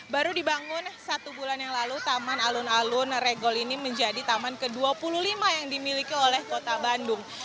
baru dibangun satu bulan yang lalu taman alun alun regol ini menjadi taman ke dua puluh lima yang dimiliki oleh kota bandung